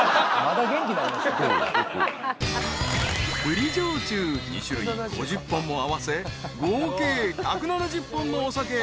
［栗焼酎２種類５０本も合わせ合計１７０本のお酒］